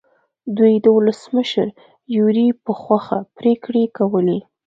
دوی د ولسمشر یوریب په خوښه پرېکړې کولې.